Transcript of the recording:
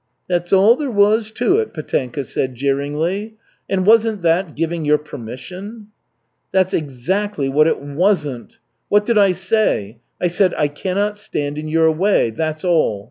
"That's all there was to it," Petenka said jeeringly. "And wasn't that giving your permission?" "That's exactly what it wasn't. What did I say? I said, 'I cannot stand in your way.' That's all.